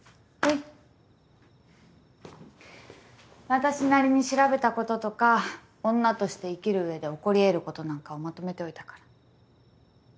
私なりに調べたこととか女として生きる上で起こり得ることなんかをまとめておいたから。